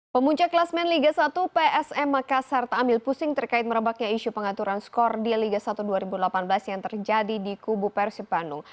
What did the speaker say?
pemuncak kelasmen liga satu psm makassar tak ambil pusing terkait merebaknya isu pengaturan skor di liga satu dua ribu delapan belas yang terjadi di kubu persib bandung